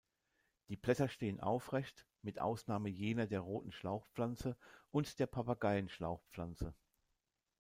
Die Blätter stehen aufrecht, mit Ausnahme jener der Roten Schlauchpflanze und der Papageien-Schlauchpflanze.